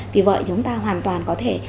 vì vậy chúng ta hoàn toàn có thể